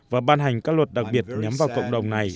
và ban hành các luật đặc biệt nhắm vào cộng đồng này